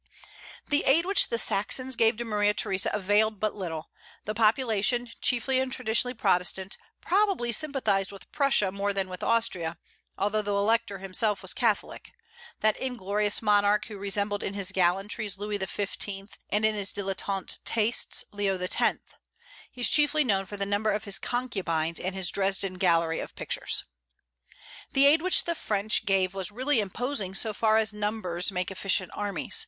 The aid which the Saxons gave to Maria Theresa availed but little. The population, chiefly and traditionally Protestant, probably sympathized with Prussia more than with Austria, although the Elector himself was Catholic, that inglorious monarch who resembled in his gallantries Louis XV., and in his dilettante tastes Leo X. He is chiefly known for the number of his concubines and his Dresden gallery of pictures. The aid which the French gave was really imposing, so far as numbers make efficient armies.